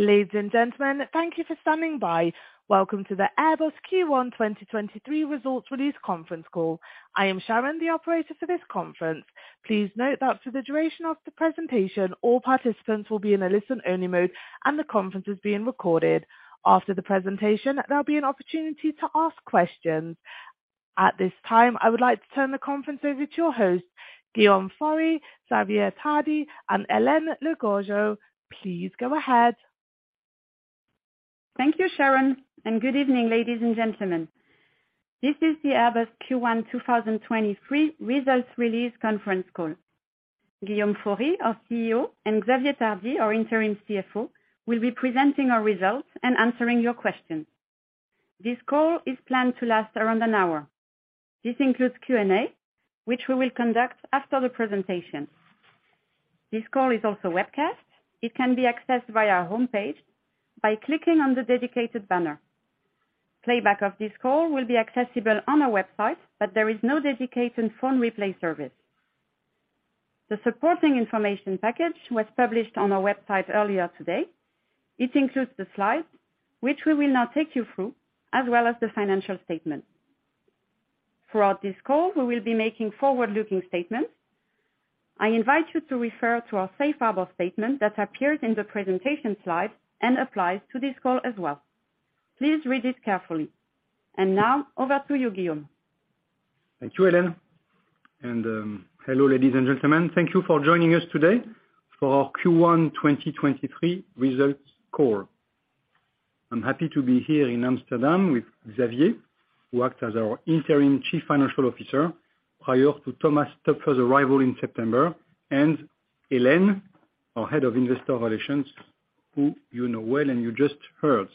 Ladies and gentlemen, thank you for standing by. Welcome to the Airbus Q1 2023 Results Release conference call. I am Sharon, the operator for this conference. Please note that for the duration of the presentation, all participants will be in a listen-only mode, and the conference is being recorded. After the presentation, there'll be an opportunity to ask questions. At this time, I would like to turn the conference over to your host, Guillaume Faury, Xavier Tardy, and Hélène Le Gorgeu. Please go ahead. Thank you, Sharon. Good evening, ladies and gentlemen. This is the Airbus Q1 2023 Results Release conference call. Guillaume Faury, our CEO, and Xavier Tardy, our interim CFO, will be presenting our results and answering your questions. This call is planned to last around an hour. This includes Q&A, which we will conduct after the presentation. This call is also webcast. It can be accessed via our homepage by clicking on the dedicated banner. Playback of this call will be accessible on our website. There is no dedicated phone replay service. The supporting information package was published on our website earlier today. It includes the slides, which we will now take you through, as well as the financial statement. Throughout this call, we will be making forward-looking statements. I invite you to refer to our safe harbor statement that appears in the presentation slide and applies to this call as well. Please read it carefully. Now over to you, Guillaume. Thank you, Hélène. Hello, ladies and gentlemen. Thank you for joining us today for our Q1 2023 results call. I'm happy to be here in Amsterdam with Xavier, who acts as our interim Chief Financial Officer prior to Thomas Toepfer's arrival in September, and Hélène, our Head of Investor Relations, who you know well and you just heard.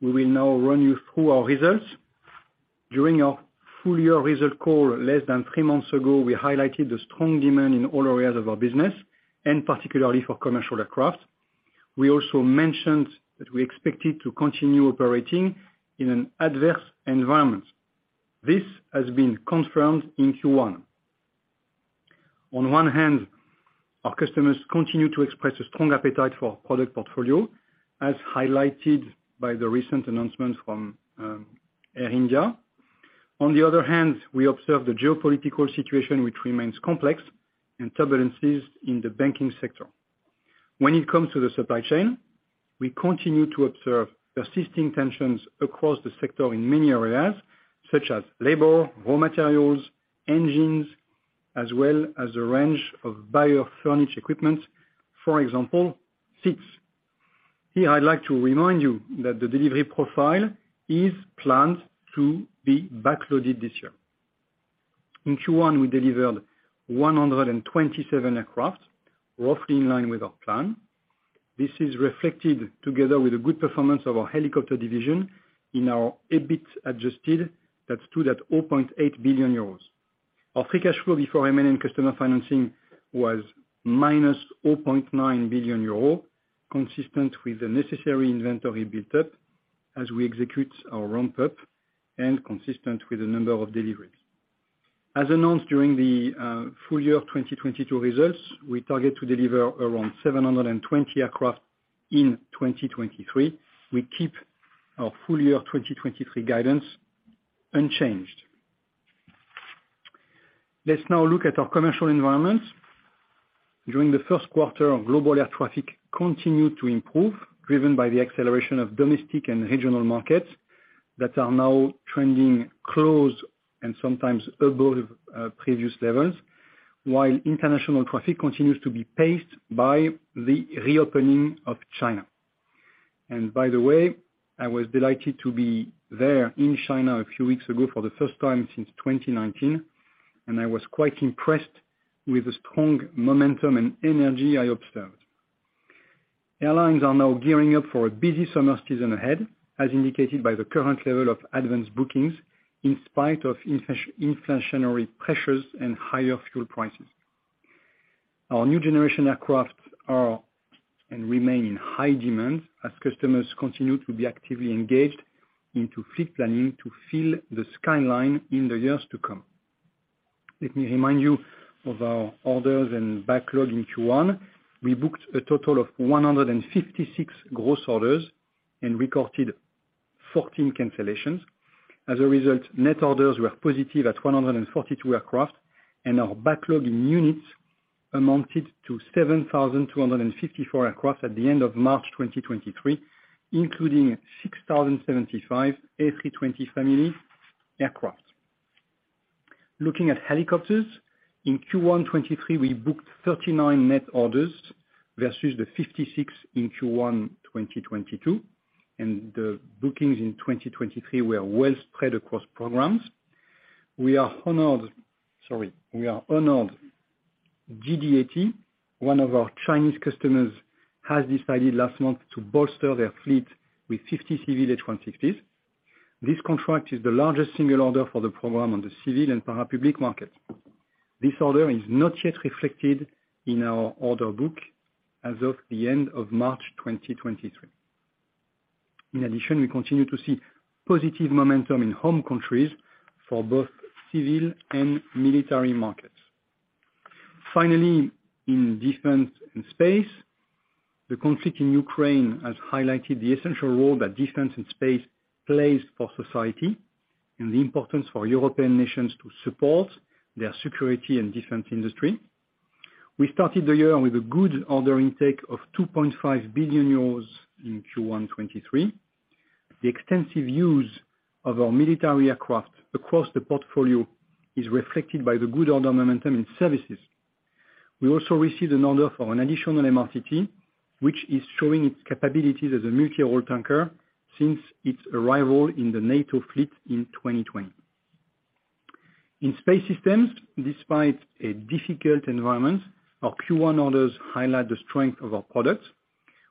We will now run you through our results. During our full-year result call less than three months ago, we highlighted the strong demand in all areas of our business, and particularly for commercial aircraft. We also mentioned that we expected to continue operating in an adverse environment. This has been confirmed in Q1. On one hand, our customers continue to express a strong appetite for our product portfolio, as highlighted by the recent announcement from Air India. We observe the geopolitical situation which remains complex and turbulences in the banking sector. When it comes to the supply chain, we continue to observe persisting tensions across the sector in many areas, such as labor, raw materials, engines, as well as a range of buyer furnished equipment, for example, seats. Here, I'd like to remind you that the delivery profile is planned to be backloaded this year. In Q1, we delivered 127 aircraft, roughly in line with our plan. This is reflected together with a good performance of our helicopter division in our EBIT Adjusted that stood at 4.8 billion euros. Our free cash flow before M&M customer financing was minus 0.9 billion euros, consistent with the necessary inventory built up as we execute our ramp up and consistent with the number of deliveries. As announced during the full year 2022 results, we target to deliver around 720 aircraft in 2023. We keep our full year 2023 guidance unchanged. Let's now look at our commercial environment. During the first quarter, our global air traffic continued to improve, driven by the acceleration of domestic and regional markets that are now trending close and sometimes above previous levels, while international traffic continues to be paced by the reopening of China. By the way, I was delighted to be there in China a few weeks ago for the first time since 2019, and I was quite impressed with the strong momentum and energy I observed. Airlines are now gearing up for a busy summer season ahead, as indicated by the current level of advanced bookings, in spite of inflationary pressures and higher fuel prices. Our new generation aircraft are and remain in high demand as customers continue to be actively engaged into fleet planning to fill the skyline in the years to come. Let me remind you of our orders and backlog in Q1. We booked a total of 156 gross orders and recorded 14 cancellations. Net orders were positive at 142 aircraft, and our backlog in units amounted to 7,254 across at the end of March 2023, including 6,075 A320 family aircraft. Looking at helicopters, in Q1 2023, we booked 39 net orders versus the 56 in Q1 2022. The bookings in 2023 were well spread across programs. We are honored GDAT, one of our Chinese customers, has decided last month to bolster their fleet with 50 civil H160s. This contract is the largest single order for the program on the civil and parapublic market. This order is not yet reflected in our order book as of the end of March 2023. In addition, we continue to see positive momentum in home countries for both civil and military markets. Finally, in defense and space, the conflict in Ukraine has highlighted the essential role that defense and space plays for society and the importance for European nations to support their security and defense industry. We started the year with a good order intake of 2.5 billion euros in Q1 2023. The extensive use of our military aircraft across the portfolio is reflected by the good order momentum in services. We also received an order for an additional MRTT, which is showing its capabilities as a military oil tanker since its arrival in the NATO fleet in 2020. In space systems, despite a difficult environment, our Q1 orders highlight the strength of our products.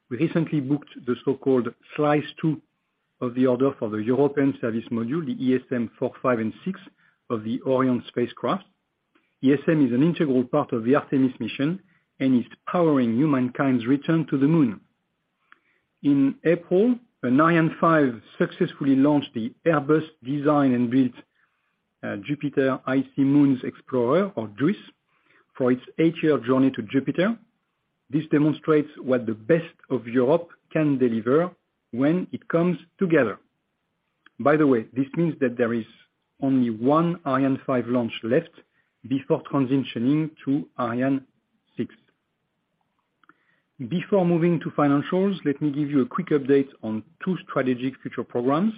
We recently booked the so-called slice two of the order for the European Service Module, the ESMs four, five, and six of the Orion spacecraft. ESM is an integral part of the Artemis mission and is powering humankind's return to the moon. In April, an Ariane five successfully launched the Airbus design and built Jupiter Icy Moons Explorer, or JUICE, for its eight-year journey to Jupiter. This demonstrates what the best of Europe can deliver when it comes together. By the way, this means that there is only one Ariane five launch left before transitioning to Ariane six. Before moving to financials, let me give you a quick update on two strategic future programs.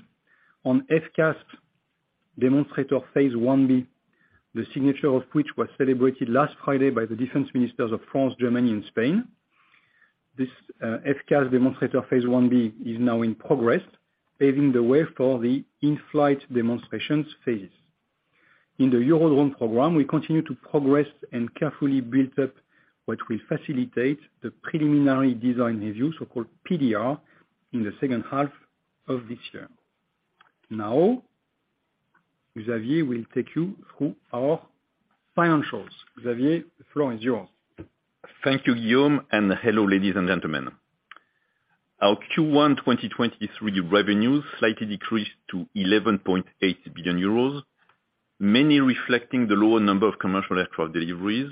On FCAS Demonstrator phase Ib, the signature of which was celebrated last Friday by the defense ministers of France, Germany, and Spain. This FCAS Demonstrator phase Ib is now in progress, paving the way for the in-flight demonstrations phases. In the Eurodrone program, we continue to progress and carefully build up what will facilitate the preliminary design review, so-called PDR, in the second half of this year. Now, Xavier will take you through our financials. Xavier, the floor is yours. Thank you, Guillaume. Hello, ladies and gentlemen. Our Q1 2023 revenues slightly decreased to 11.8 billion euros, mainly reflecting the lower number of commercial aircraft deliveries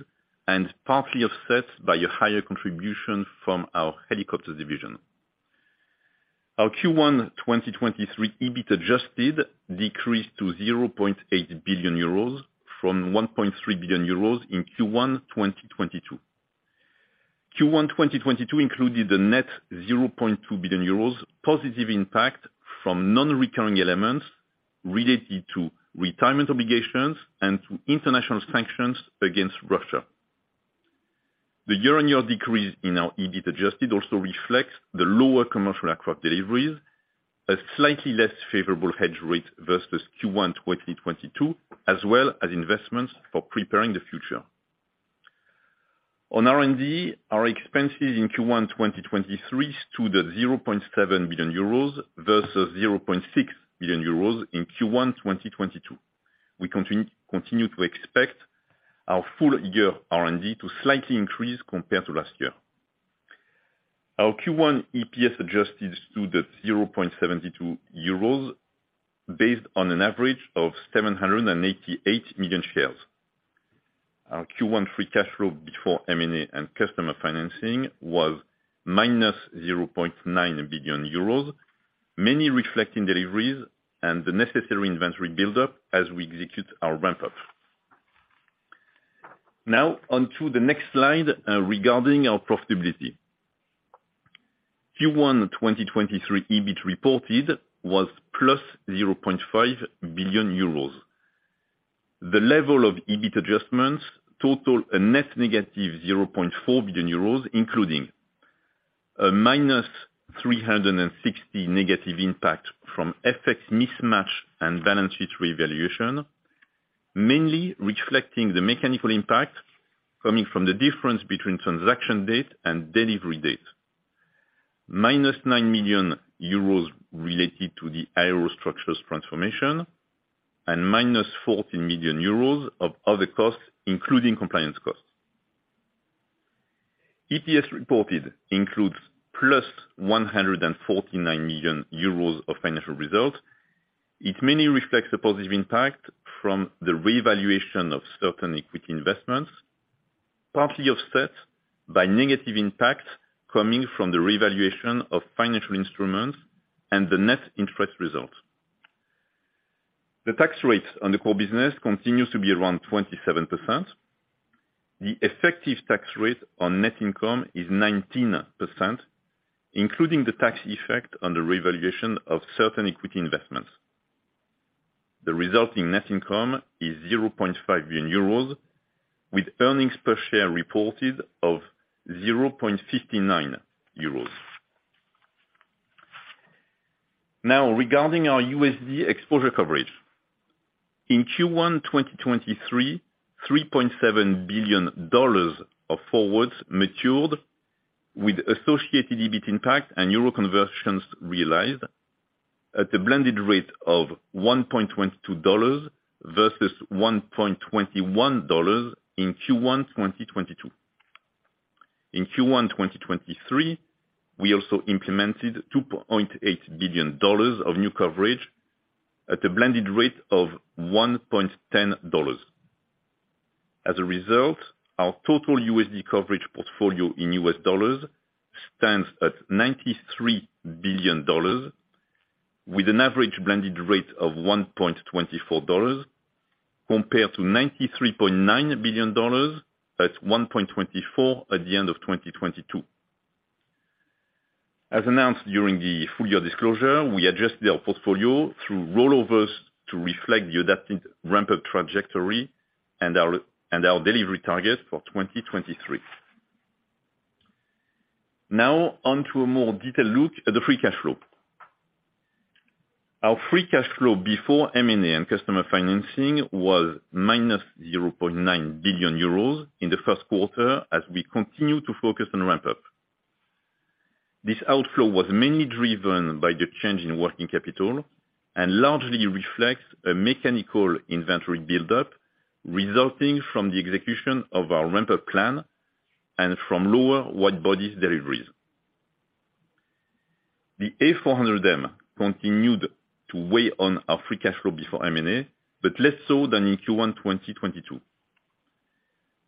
and partly offset by a higher contribution from our helicopters division. Our Q1 2023 EBIT Adjusted decreased to 0.8 billion euros from 1.3 billion euros in Q1 2022. Q1 2022 included a net 0.2 billion euros positive impact from non-recurring elements related to retirement obligations and to international sanctions against Russia. The year-over-year decrease in our EBIT Adjusted also reflects the lower commercial aircraft deliveries, a slightly less favorable hedge rate versus Q1 2022, as well as investments for preparing the future. On R&D, our expenses in Q1 2023 stood at 0.7 billion euros versus 0.6 billion euros in Q1 2022. We continue to expect our full year R&D to slightly increase compared to last year. Our Q1 EPS Adjusted stood at 0.72 euros based on an average of 788 million shares. Our Q1 free cash flow before M&A and customer financing was minus 0.9 billion euros, mainly reflecting deliveries and the necessary inventory buildup as we execute our ramp-up. Now on to the next slide regarding our profitability. Q1 2023 EBIT Reported was plus 0.5 billion euros. The level of EBIT adjustments total a net negative 0.4 billion euros, including a -360 million negative impact from FX mismatch and balance sheet revaluation, mainly reflecting the mechanical impact coming from the difference between transaction date and delivery date, -9 million euros related to the Aerostructures transformation, and -14 million euros of other costs, including compliance costs. EPS reported includes +149 million euros of financial results. It mainly reflects the positive impact from the revaluation of certain equity investments, partly offset by negative impact coming from the revaluation of financial instruments and the net interest result. The tax rates on the core business continues to be around 27%. The effective tax rate on net income is 19%, including the tax effect on the revaluation of certain equity investments. The resulting net income is 0.5 billion euros, with earnings per share reported of 0.59 euros. Now, regarding our USD exposure coverage, in Q1 2023, $3.7 billion of forwards matured with associated EBIT impact and euro conversions realized at a blended rate of $1.22 versus $1.21 in Q1 2022. In Q1 2023, we also implemented $2.8 billion of new coverage at a blended rate of $1.10. As a result, our total USD coverage portfolio in U.S. dollars stands at $93 billion, with an average blended rate of $1.24, compared to $93.9 billion at $1.24 at the end of 2022. As announced during the full year disclosure, we adjusted our portfolio through rollovers to reflect the adapted ramp-up trajectory and our delivery target for 2023. On to a more detailed look at the free cash flow. Our free cash flow before M&A and customer financing was -0.9 billion euros in Q1, as we continue to focus on ramp-up. This outflow was mainly driven by the change in working capital and largely reflects a mechanical inventory buildup, resulting from the execution of our ramp-up plan and from lower wide-body deliveries. The A400M continued to weigh on our Free Cash Flow before M&A, less so than in Q1 2022.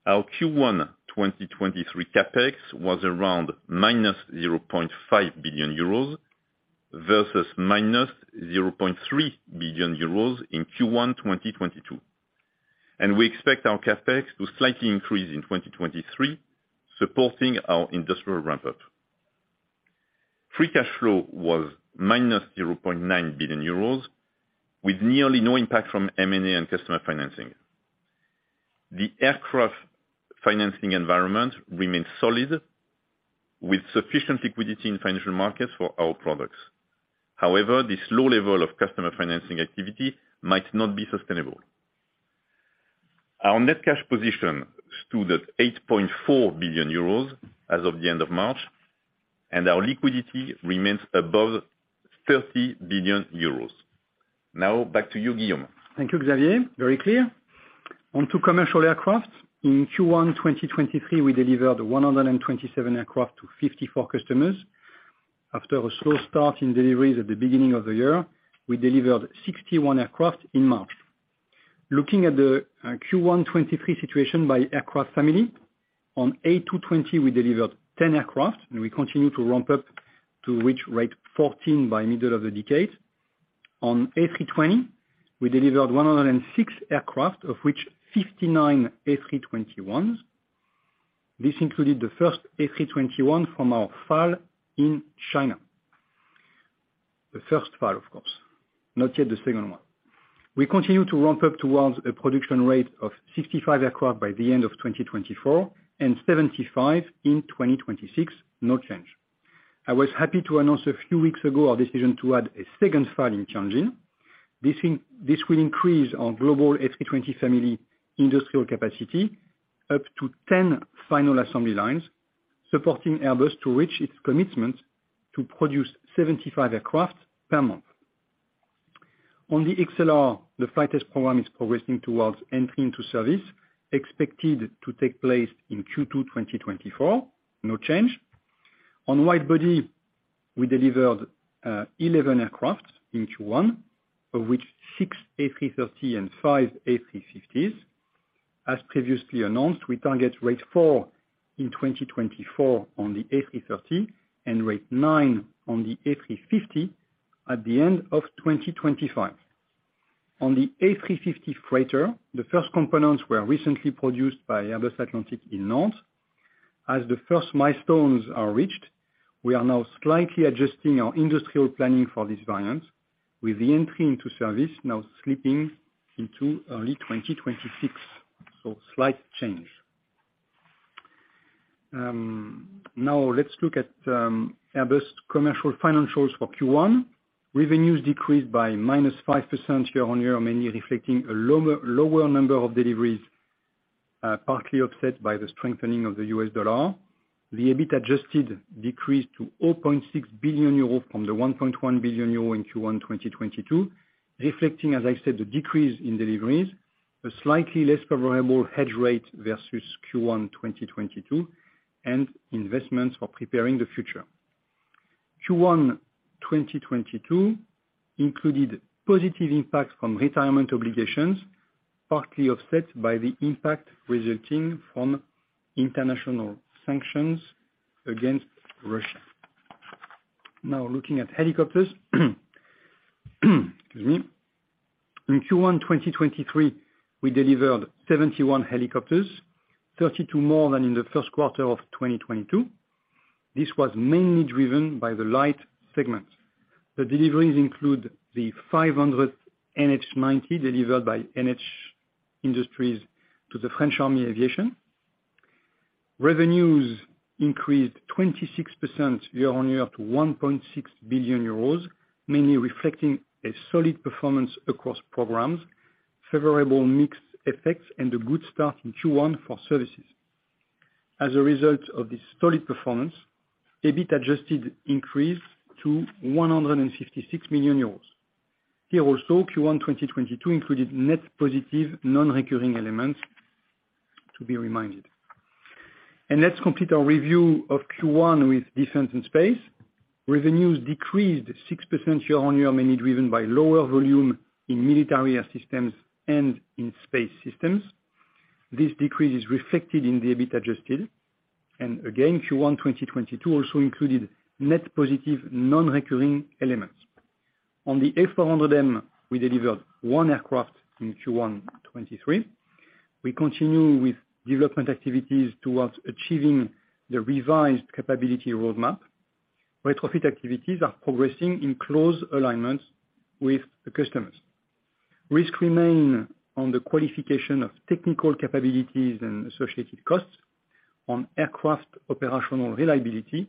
Our Q1 2023 CapEx was around -0.5 billion euros, versus -0.3 billion euros in Q1 2022. We expect our CapEx to slightly increase in 2023, supporting our industrial ramp-up. Free cash flow was minus 0.9 billion euros, with nearly no impact from M&A and customer financing. The aircraft financing environment remains solid, with sufficient liquidity in financial markets for our products. However, this low level of customer financing activity might not be sustainable. Our net cash position stood at 8.4 billion euros as of the end of March, and our liquidity remains above 30 billion euros. Back to you, Guillaume. Thank you, Xavier. Very clear. On to commercial aircraft. In Q1 2023, we delivered 127 aircraft to 54 customers. After a slow start in deliveries at the beginning of the year, we delivered 61 aircraft in March. Looking at the Q1 2023 situation by aircraft family, on A220, we delivered 10 aircraft, and we continue to ramp up to reach rate 14 by middle of the decade. On A320, we delivered 106 aircraft, of which 59 A321s. This included the first A321 from our FAL in China. The first FAL, of course, not yet the second one. We continue to ramp up towards a production rate of 65 aircraft by the end of 2024 and 75 in 2026. No change. I was happy to announce a few weeks ago our decision to add a second FAL in Tianjin. This will increase our global A320 family industrial capacity up to 10 final assembly lines, supporting Airbus to reach its commitment to produce 75 aircraft per month. The XLR, the flight test program is progressing towards entering to service, expected to take place in Q2 2024. No change. Wide body, we delivered 11 aircraft in Q1, of which six A330 and five A350s. Previously announced, we target rate four in 2024 on the A330 and rate nine on the A350 at the end of 2025. The A350 freighter, the first components were recently produced by Airbus Atlantic in Nantes. The first milestones are reached, we are now slightly adjusting our industrial planning for this variant, with the entry into service now slipping into early 2026. Slight change. Now let's look at Airbus commercial financials for Q1. Revenues decreased by -5% year-on-year, mainly reflecting a lower number of deliveries, partly offset by the strengthening of the U.S. dollar. The EBIT Adjusted decreased to 0.6 billion euros from the 1.1 billion euros in Q1 2022, reflecting, as I said, the decrease in deliveries, a slightly less favorable hedge rate versus Q1 2022, and investments for preparing the future. Q1 2022 included positive impacts from retirement obligations, partly offset by the impact resulting from international sanctions against Russia. Now looking at helicopters. Excuse me. In Q1 2023, we delivered 71 helicopters, 32 more than in the first quarter of 2022. This was mainly driven by the light segment. The deliveries include the 500th NH90 delivered by NHIndustries to the French Army Aviation. Revenues increased 26% year-on-year to 1.6 billion euros, mainly reflecting a solid performance across programs, favorable mix effects, and a good start in Q1 for services. As a result of this solid performance, EBIT Adjusted increased to 156 million euros. Here also, Q1 2022 included net positive non-recurring elements, to be reminded. Let's complete our review of Q1 with Defense and Space. Revenues decreased 6% year-on-year, mainly driven by lower volume in military air systems and in space systems. This decrease is reflected in the EBIT Adjusted. Again, Q1 2022 also included net positive non-recurring elements. On the A400M, we delivered one aircraft in Q1 2023. We continue with development activities towards achieving the revised capability roadmap. Retrofit activities are progressing in close alignment with the customers. Risk remain on the qualification of technical capabilities and associated costs on aircraft operational reliability,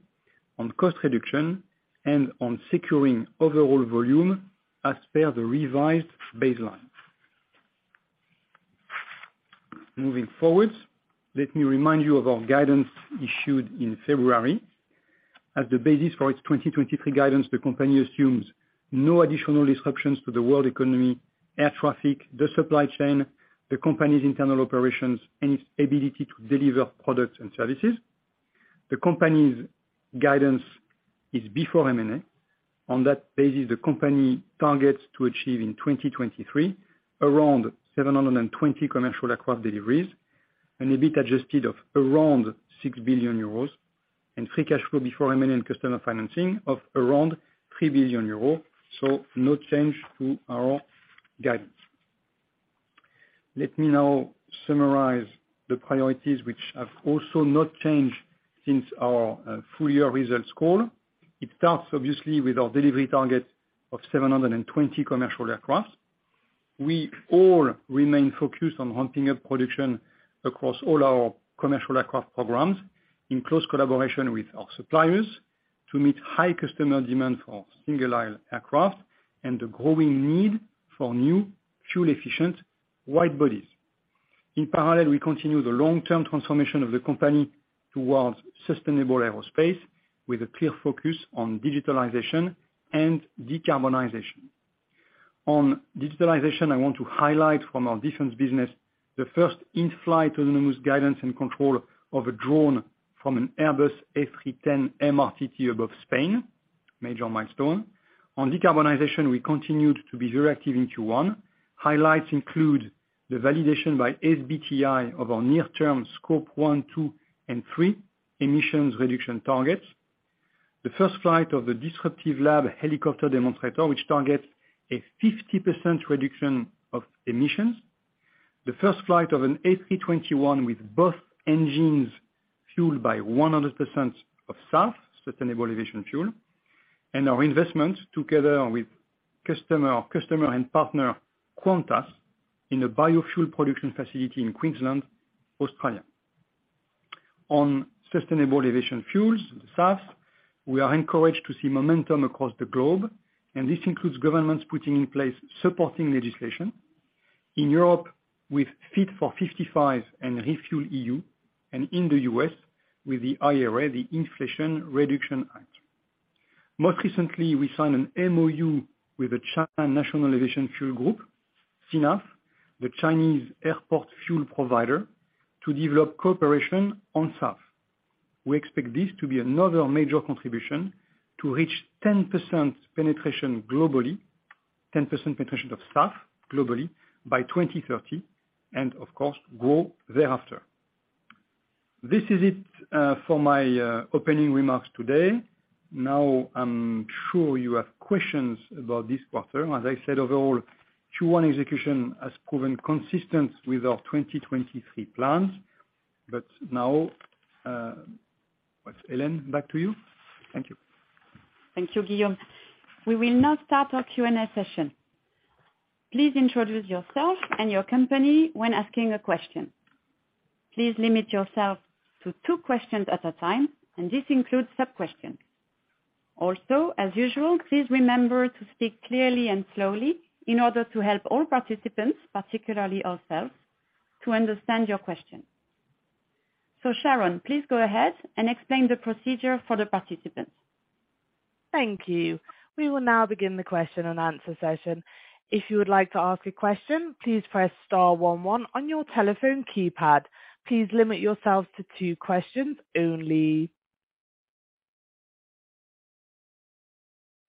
on cost reduction, and on securing overall volume as per the revised baseline. Moving forward, let me remind you of our guidance issued in February. As the basis for its 2023 guidance, the company assumes no additional disruptions to the world economy, air traffic, the supply chain, the company's internal operations, and its ability to deliver products and services. The company's guidance is before M&A. On that basis, the company targets to achieve in 2023 around 720 commercial aircraft deliveries and EBIT Adjusted of around 6 billion euros and free cash flow before M&A and customer financing of around 3 billion euros. No change to our guidance. Let me now summarize the priorities which have also not changed since our full year results call. It starts obviously with our delivery target of 720 commercial aircraft. We all remain focused on ramping up production across all our commercial aircraft programs in close collaboration with our suppliers to meet high customer demand for single aircraft and the growing need for new, fuel-efficient wide bodies. In parallel, we continue the long-term transformation of the company towards sustainable aerospace with a clear focus on digitalization and decarbonization. On digitalization, I want to highlight from our defense business the first in-flight autonomous guidance and control of a drone from an Airbus A310 MRTT above Spain, major milestone. On decarbonization, we continued to be very active in Q1. Highlights include the validation by SBTi of our near-term Scope 1, 2, and 3 emissions reduction targets. The first flight of the Disruptive Lab helicopter demonstrator, which targets a 50% reduction of emissions. The first flight of an A321 with both engines fueled by 100% of SAF, sustainable aviation fuel. Our investment together with customer and partner, Qantas, in a biofuel production facility in Queensland, Australia. On sustainable aviation fuels, SAF, we are encouraged to see momentum across the globe, and this includes governments putting in place supporting legislation. In Europe with Fit for 55 and ReFuelEU, and in the U.S. with the IRA, the Inflation Reduction Act. Most recently, we signed an MoU with the China National Aviation Fuel Group, CNAF, the Chinese airport fuel provider, to develop cooperation on SAF. We expect this to be another major contribution to reach 10% penetration globally, 10% penetration of SAF globally by 2030, and of course, grow thereafter. This is it, for my opening remarks today. I'm sure you have questions about this quarter. As I said, overall Q1 execution has proven consistent with our 2023 plans. Hélène, back to you. Thank you. Thank you, Guillaume. We will now start our Q&A session. Please introduce yourself and your company when asking a question. Please limit yourself to two questions at a time, and this includes sub-questions. Also, as usual, please remember to speak clearly and slowly in order to help all participants, particularly ourselves, to understand your question. Sharon, please go ahead and explain the procedure for the participants. Thank you. We will now begin the question and answer session. If you would like to ask a question, please press star one one on your telephone keypad. Please limit yourselves to two questions only.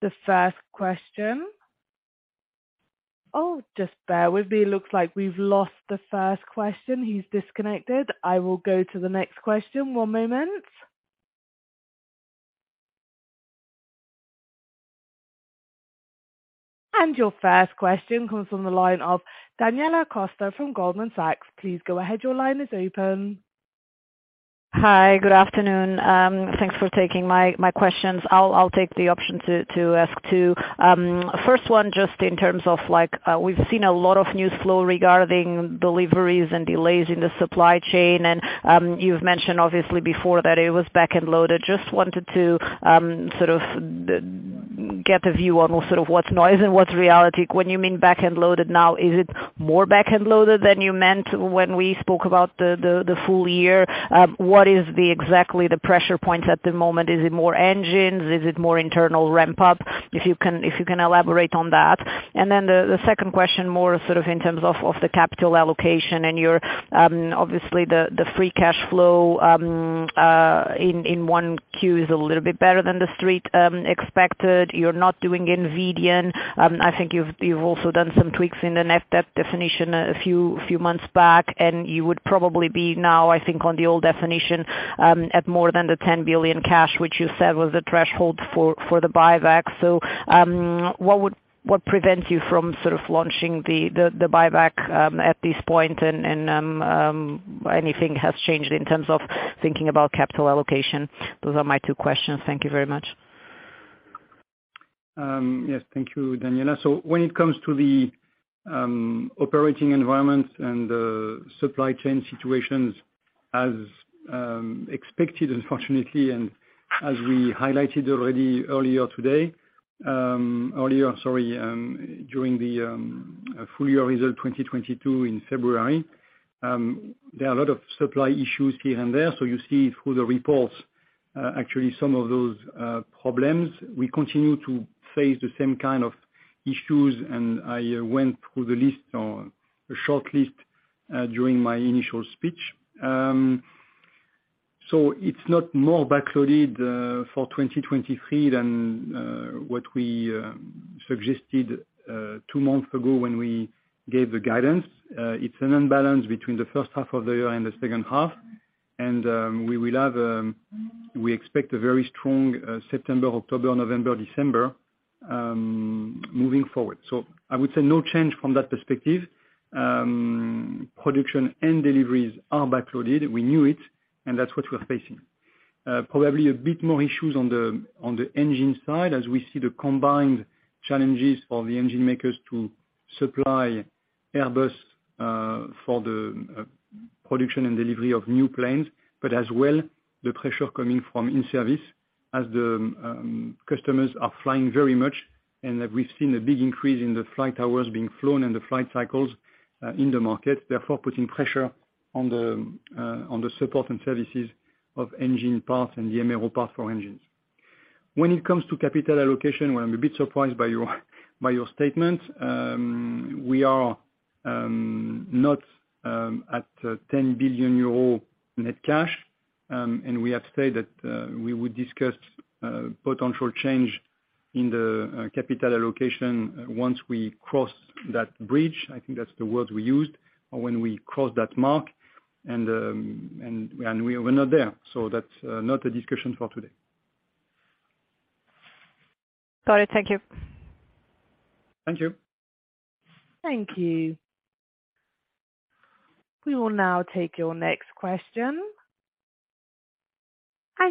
The first question. Just bear with me. It looks like we've lost the first question. He's disconnected. I will go to the next question. One moment. Your first question comes from the line of Daniela Costa from Goldman Sachs. Please go ahead. Your line is open. Hi. Good afternoon. Thanks for taking my questions. I'll take the option to ask two. First one, just in terms of like, we've seen a lot of news flow regarding deliveries and delays in the supply chain. And you've mentioned obviously before that it was back and loaded. Just wanted to sort of Get a view on what sort of what's noise and what's reality. When you mean back-end loaded now, is it more back-end loaded than you meant when we spoke about the full year? What is the exactly the pressure points at the moment? Is it more engines? Is it more internal ramp up? If you can elaborate on that. The second question, more sort of in terms of the capital allocation and your obviously, the free cash flow in 1Q is a little bit better than the street expected. You're not doing in VDN. I think you've also done some tweaks in the net debt definition a few months back, and you would probably be now, I think, on the old definition, at more than 10 billion cash, which you said was the threshold for the buyback. What prevents you from sort of launching the buyback at this point? Anything has changed in terms of thinking about capital allocation? Those are my two questions. Thank you very much. Yes, thank you, Daniela. When it comes to the operating environment and the supply chain situations as expected, unfortunately, and as we highlighted already earlier today, earlier, sorry, during the full year result 2022 in February, there are a lot of supply issues here and there. You see it through the reports. Actually, some of those problems we continue to face the same kind of issues. I went through the list on a short list during my initial speech. It's not more backloaded for 2023 than what we suggested two months ago when we gave the guidance. It's an imbalance between the first half of the year and the second half. We will have, we expect a very strong September, October, November, December moving forward. I would say no change from that perspective. Production and deliveries are backloaded. We knew it, and that's what we're facing. Probably a bit more issues on the engine side as we see the combined challenges for the engine makers to supply Airbus for the production and delivery of new planes, but as well, the pressure coming from in-service as the customers are flying very much and that we've seen a big increase in the flight hours being flown and the flight cycles in the market, therefore putting pressure on the support and services of engine parts and the MRO parts for engines. When it comes to capital allocation, well, I'm a bit surprised by your, by your statement. We are not at 10 billion euro net cash. We have said that we would discuss potential change in the capital allocation once we cross that bridge. I think that's the word we used when we crossed that mark. We're not there. That's not a discussion for today. Got it. Thank you. Thank you. Thank you. We will now take your next question.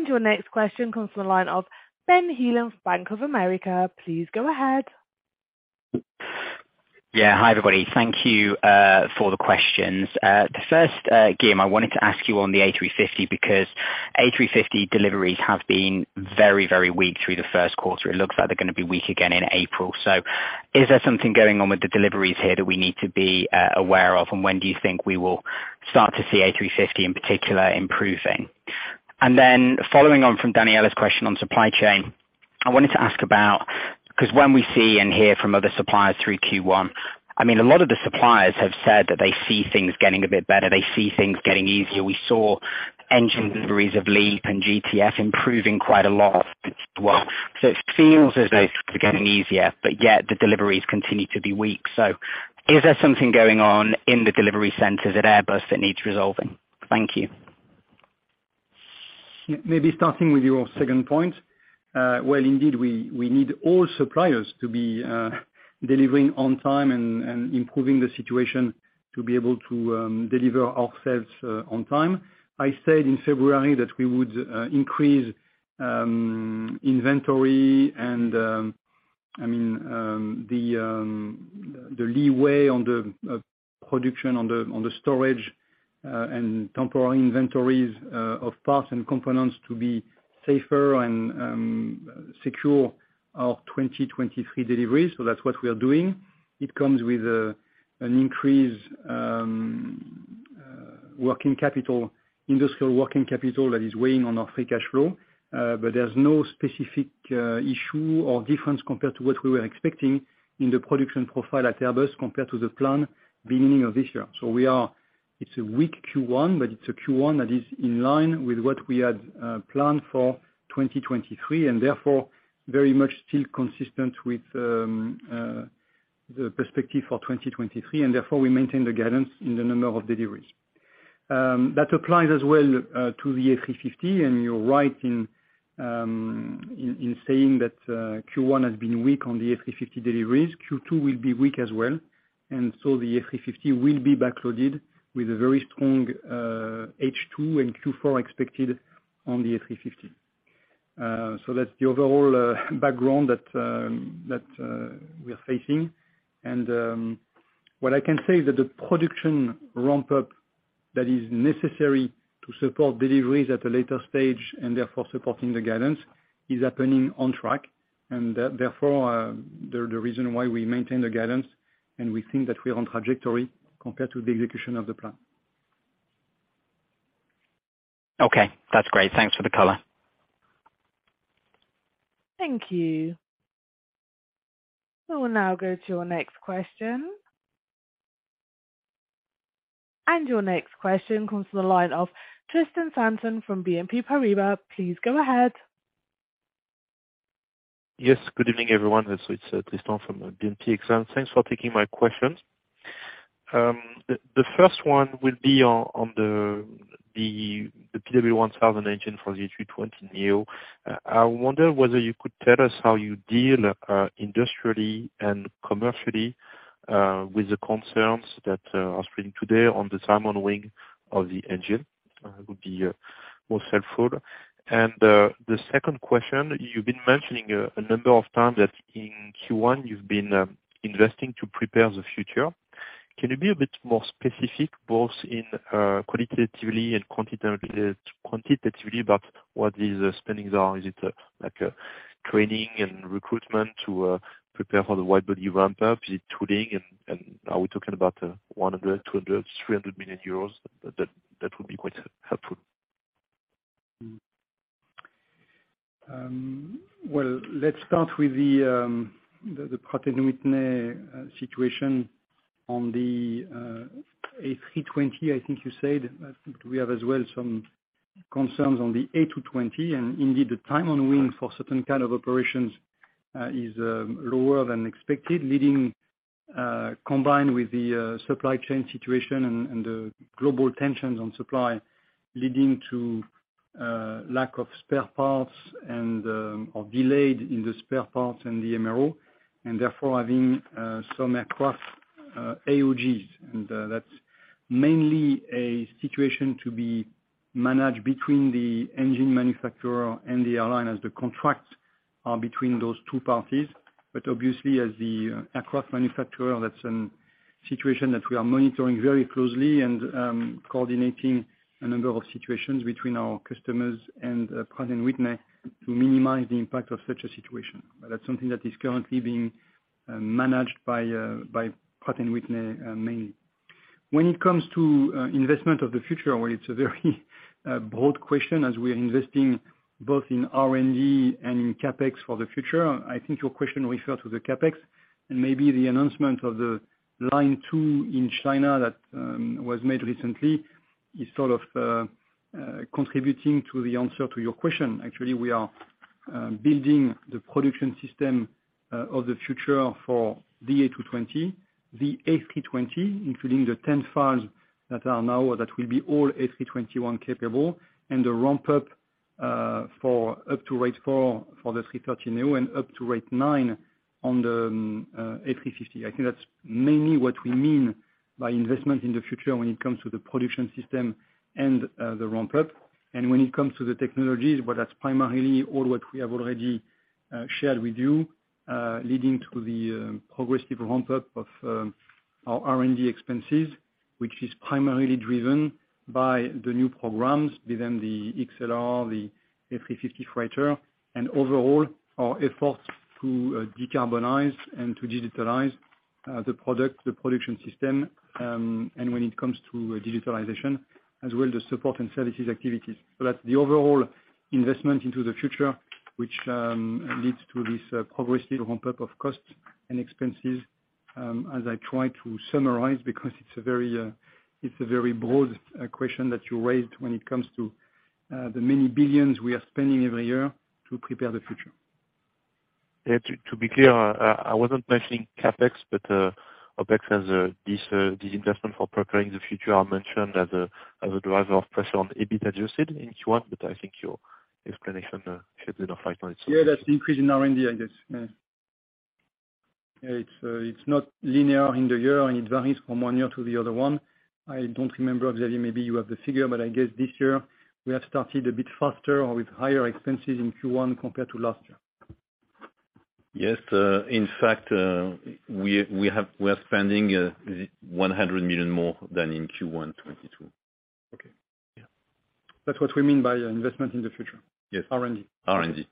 Your next question comes from the line of Ben Heelan from Bank of America. Please go ahead. Yeah. Hi, everybody. Thank you for the questions. The first, Guillaume, I wanted to ask you on the A350, because A350 deliveries have been very, very weak through the 1st quarter. It looks like they're gonna be weak again in April. Is there something going on with the deliveries here that we need to be aware of? When do you think we will start to see A350 in particular improving? Then following on from Daniela's question on supply chain, I wanted to ask about... 'cause when we see and hear from other suppliers through Q1, I mean, a lot of the suppliers have said that they see things getting a bit better, they see things getting easier. We saw engine deliveries of LEAP and GTF improving quite a lot as well. It feels as though it's getting easier, but yet the deliveries continue to be weak. Is there something going on in the delivery centers at Airbus that needs resolving? Thank you. Maybe starting with your second point. Well, indeed, we need all suppliers to be delivering on time and improving the situation to be able to deliver ourselves on time. I said in February that we would increase inventory and I mean the leeway on the production, on the storage and temporal inventories of parts and components to be safer and secure our 2023 deliveries. That's what we are doing. It comes with an increased working capital, industrial working capital that is weighing on our free cash flow. But there's no specific issue or difference compared to what we were expecting in the production profile at Airbus compared to the plan beginning of this year. It's a weak Q1, but it's a Q1 that is in line with what we had planned for 2023, and therefore very much still consistent with the perspective for 2023, and therefore we maintain the guidance in the number of deliveries. That applies as well to the A350, and you're right in saying that Q1 has been weak on the A350 deliveries. Q2 will be weak as well. The A350 will be backloaded with a very strong H2 and Q4 expected on the A350. That's the overall background that we are facing. What I can say is that the production ramp up that is necessary to support deliveries at a later stage, and therefore supporting the guidance, is happening on track. Therefore, the reason why we maintain the guidance and we think that we are on trajectory compared to the execution of the plan. Okay. That's great. Thanks for the color. Thank you. We will now go to your next question. Your next question comes from the line of Tristan Sanson from BNP Paribas. Please go ahead. Yes. Good evening, everyone. It's Tristan from BNP Exane. Thanks for taking my questions. The first one will be on the PW one thousand engine for the A320neo. I wonder whether you could tell us how you deal industrially and commercially with the concerns that are spreading today on the time on wing of the engine. would be more helpful. The second question, you've been mentioning a number of times that in Q1 you've been investing to prepare the future. Can you be a bit more specific, both in qualitatively and quantitatively, about what these spendings are? Is it like training and recruitment to prepare for the wide-body ramp up? Is it tooling? Are we talking about 100 million, 200 million, 300 million euros? That would be quite helpful. Well, let's start with the Pratt & Whitney situation on the A320, I think you said. I think we have as well some concerns on the A220, and indeed, the time on wing for certain kind of operations is lower than expected, leading, combined with the supply chain situation and the global tensions on supply, leading to lack of spare parts or delayed in the spare parts and the MRO, and therefore having some across AOGs. That's mainly a situation to be managed between the engine manufacturer and the airline as the contracts are between those two parties. Obviously, as the aircraft manufacturer, that's an situation that we are monitoring very closely and coordinating a number of situations between our customers and Pratt & Whitney to minimize the impact of such a situation. That's something that is currently being managed by Pratt & Whitney mainly. When it comes to investment of the future, well, it's a very broad question as we are investing both in R&D and in CapEx for the future. I think your question refer to the CapEx and maybe the announcement of the line two in China that was made recently is sort of contributing to the answer to your question. Actually, we are building the production system of the future for the A220, the A320, including the 10 FALs that will be all A321 capable, and the ramp up for up to 84 for the A330neo and up to 89 on the A350. I think that's mainly what we mean by investment in the future when it comes to the production system and the ramp up. When it comes to the technologies, but that's primarily all what we have already shared with you leading to the progressive ramp up of our R&D expenses, which is primarily driven by the new programs within the XLR, the A350 Freighter. Overall, our efforts to decarbonize and to digitalize the product, the production system, and when it comes to digitalization, as well the support and services activities. The overall investment into the future, which leads to this progressive ramp up of costs and expenses, as I try to summarize, because it's a very broad question that you raised when it comes to the many billions we are spending every year to prepare the future. Yeah. To be clear, I wasn't mentioning CapEx, but OpEx as this investment for preparing the future are mentioned as a driver of pressure on EBIT Adjusted in Q1. I think your explanation should be enough on its own. That's the increase in R&D, I guess. It's not linear in the year, and it varies from one year to the other one. I don't remember, Xavier, maybe you have the figure, but I guess this year we have started a bit faster or with higher expenses in Q1 compared to last year. Yes. In fact, we are spending 100 million more than in Q1 2022. Okay. Yeah. That's what we mean by investment in the future. Yes. R&D. R&D.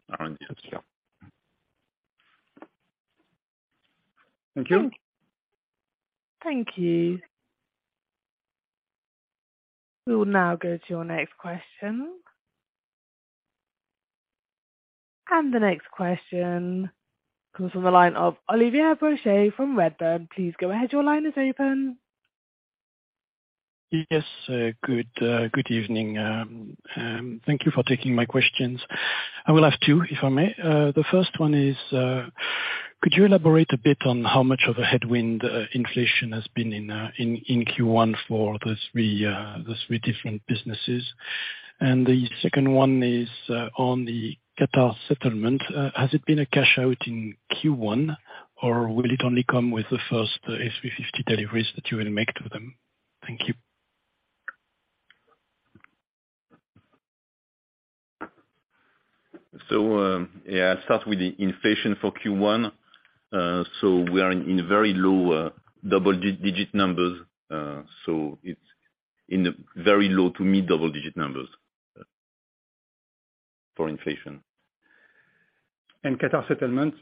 Thank you. Thank you. We will now go to your next question. The next question comes from the line of Olivier Brochet from Redburn. Please go ahead. Your line is open. Yes. Good, good evening. Thank you for taking my questions. I will have two, if I may. The first one is, could you elaborate a bit on how much of a headwind, inflation has been in Q1 for the three different businesses? The second one is, on the Qatar settlement. Has it been a cash out in Q1, or will it only come with the first A350 deliveries that you will make to them? Thank you. Yeah, I'll start with the inflation for Q1. We are in very low double-digit numbers. It's in the very low to mid-double-digit numbers for inflation. Qatar settlement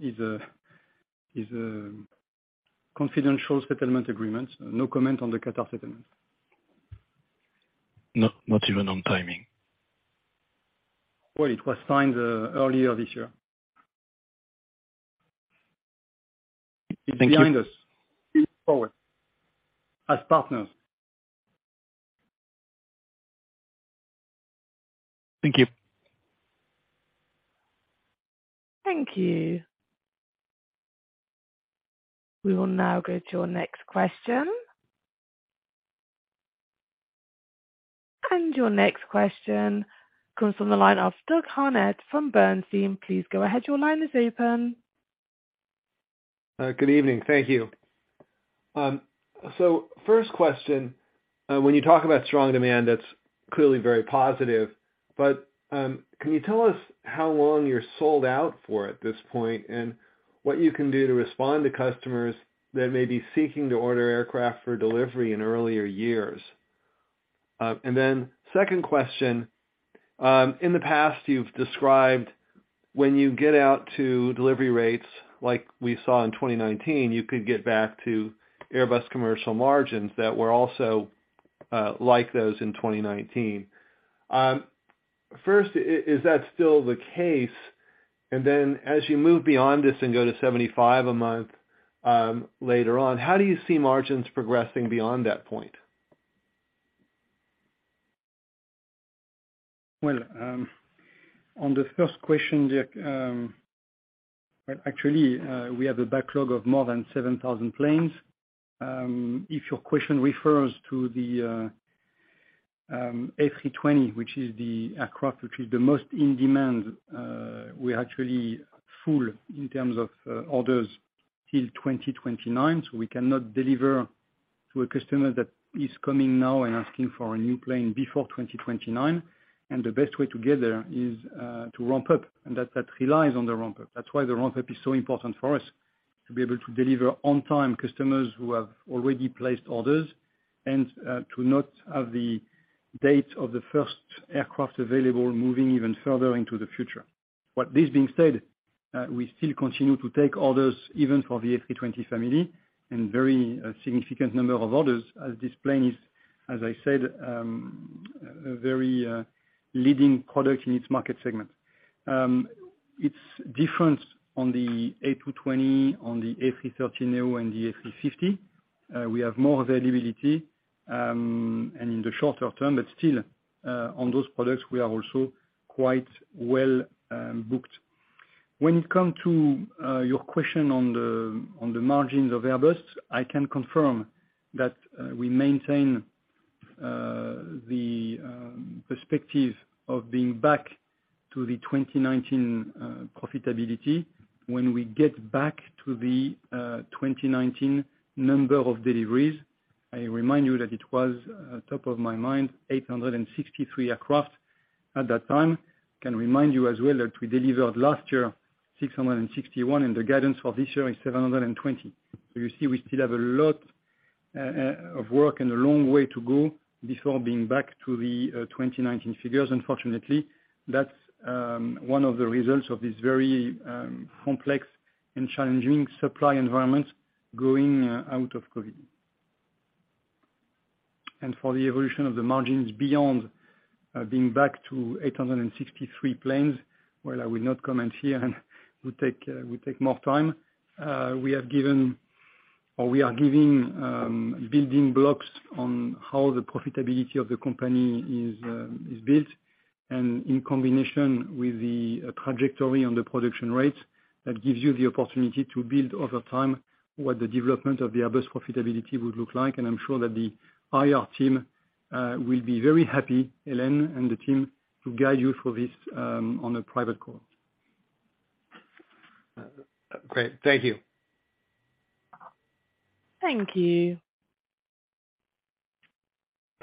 is a confidential settlement agreement. No comment on the Qatar settlement. No-not even on timing? Well, it was signed, earlier this year. Thank you. It's behind us, it's forward as partners. Thank you. Thank you. We will now go to our next question. Your next question comes from the line of Doug Harned from Bernstein. Please go ahead, your line is open. Good evening. Thank you. First question, when you talk about strong demand, that's clearly very positive, but can you tell us how long you're sold out for at this point? What you can do to respond to customers that may be seeking to order aircraft for delivery in earlier years? Second question, in the past you've described when you get out to delivery rates, like we saw in 2019, you could get back to Airbus commercial margins that were also like those in 2019. First, is that still the case? As you move beyond this and go to 75 a month, later on, how do you see margins progressing beyond that point? Well, on the first question. Well, actually, we have a backlog of more than 7,000 planes. If your question refers to the A320, which is the aircraft which is the most in demand, we're actually full in terms of orders till 2029. We cannot deliver to a customer that is coming now and asking for a new plane before 2029. The best way to get there is to ramp up, and that relies on the ramp up. That's why the ramp up is so important for us, to be able to deliver on-time customers who have already placed orders and to not have the date of the first aircraft available moving even further into the future. This being said, we still continue to take orders even for the A320 family and very significant number of orders as this plane is, as I said, a very leading product in its market segment. It's different on the A220, on the A330neo and the A350. We have more availability and in the shorter term, but still, on those products, we are also quite well booked. When it come to your question on the margins of Airbus, I can confirm that we maintain the perspective of being back to the 2019 profitability when we get back to the 2019 number of deliveries. I remind you that it was top of my mind, 863 aircraft at that time. Can remind you as well that we delivered last year 661, and the guidance for this year is 720. You see, we still have a lot of work and a long way to go before being back to the 2019 figures. Unfortunately, that's one of the results of this very complex and challenging supply environment growing out of COVID. For the evolution of the margins beyond being back to 863 planes, well, I will not comment here and would take more time. We have given or we are giving building blocks on how the profitability of the company is built. In combination with the trajectory on the production rates, that gives you the opportunity to build over time what the development of the Airbus profitability would look like. I'm sure that the IR team will be very happy, Hélène and the team, to guide you through this on a private call. Great. Thank you. Thank you.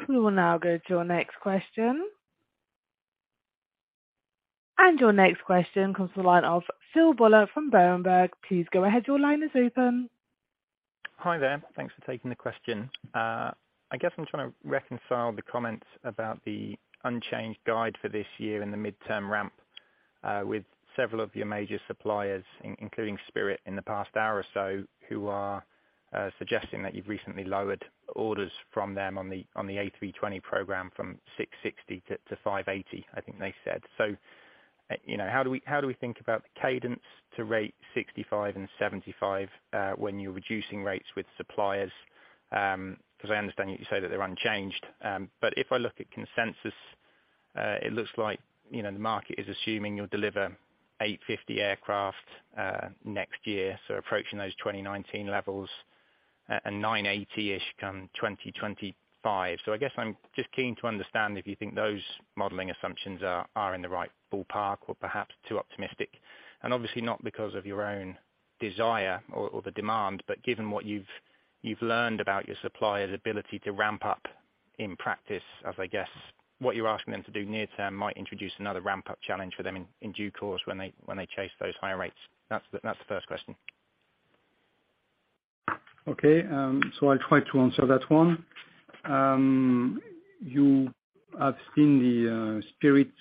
We will now go to our next question. Your next question comes from the line of Phil Buller from Berenberg. Please go ahead. Your line is open. Hi there. Thanks for taking the question. I guess I'm trying to reconcile the comments about the unchanged guide for this year in the midterm ramp, with several of your major suppliers, including Spirit in the past hour or so, who are suggesting that you've recently lowered orders from them on the A320 program from 660 to 580, I think they said. You know, how do we, how do we think about the cadence to rate 65 and 75, when you're reducing rates with suppliers? 'cause I understand you say that they're unchanged. But if I look at consensus, it looks like, you know, the market is assuming you'll deliver 850 aircraft next year, so approaching those 2019 levels, and 980-ish come 2025. I guess I'm just keen to understand if you think those modeling assumptions are in the right ballpark or perhaps too optimistic, and obviously not because of your own desire or the demand, but given what you've learned about your supplier's ability to ramp up in practice as, I guess, what you're asking them to do near term might introduce another ramp-up challenge for them in due course when they chase those higher rates. That's the first question. Okay. I'll try to answer that one. You have seen the Spirit